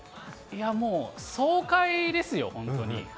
もう爽快ですよ、本当に。